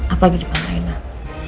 apa lagi di pantai nak